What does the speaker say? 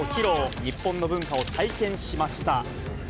日本の文化を体験しました。